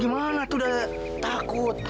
gimana tuh udah takut